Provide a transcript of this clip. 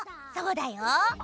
そうだよ！